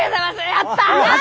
やった！